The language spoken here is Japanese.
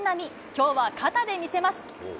きょうは肩で魅せます。